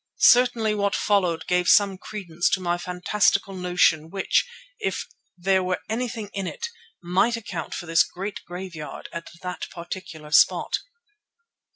Certainly what followed gave some credence to my fantastical notion which, if there were anything in it, might account for this great graveyard at that particular spot.